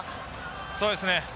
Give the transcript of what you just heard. そうですね